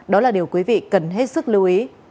đó là điều quý vị cần hết sức lưu ý